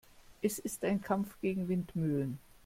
Es ist ein Kampf gegen Windmühlen.